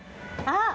あっ！